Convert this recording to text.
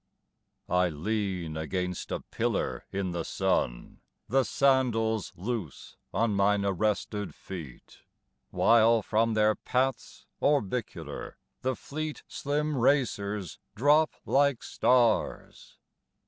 I LEAN against a pillar in the sun, The sandals loose on mine arrested feet, While from their paths orbicular the fleet Slim racers drop like stars.